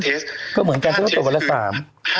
๕เทสต์คือ๕ยี่ห้อ